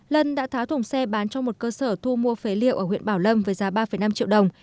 lân đã tháo thùng xe bán cho một cơ sở thu mua phế liệu ở huyện bảo lâm với giá ba năm triệu đồng